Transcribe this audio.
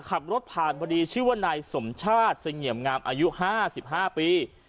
ขับรถผ่านพอดีชื่อว่านายสมชาติเสงี่ยมงามอายุ๕๕ปี